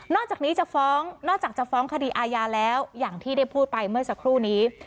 นอกจากจะฟ้องคดีอายาแล้วอย่างที่ได้พูดไปเมื่อสักครู่นี้